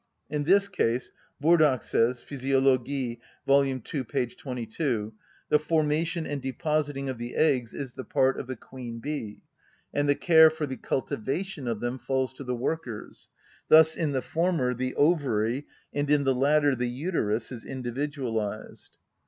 In this sense Burdach says (Physiologie, vol. ii. p. 22): "The formation and depositing of the eggs is the part of the queen‐bee, and the care for the cultivation of them falls to the workers; thus in the former the ovary, and in the latter the uterus, is individualised."